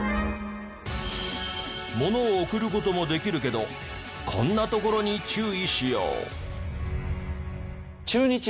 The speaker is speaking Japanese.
物を送る事もできるけどこんなところに注意しよう。